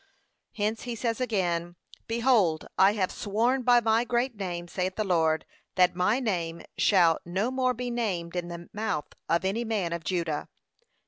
Hence he says again 'Behold, I have sworn by my great name, saith the Lord, that my name shall no more be named in the mouth of any man of Judah.'